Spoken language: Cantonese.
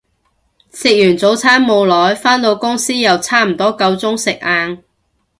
食完早餐冇耐，返到公司又差唔多夠鐘食晏